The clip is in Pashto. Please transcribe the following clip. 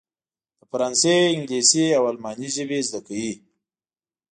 د فرانسې، انګلیسي او الماني ژبې زده کوي.